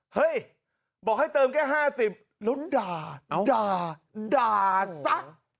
เฮ้ยบอกให้เติมแค่๕๐แล้วด่าด่าซะ